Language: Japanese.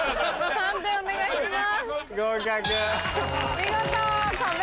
判定お願いします。